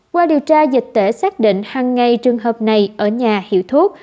qua điều tra dịch tễ xác định hàng ngày trường hợp này ở nhà hiệu thuốc